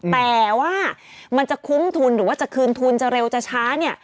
แต่ว่ามันจะคุ้มทุนหรือว่าจะคืนทุนจะเร็วจะช้าเนี่ย